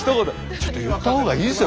「ちょっと言った方がいいですよ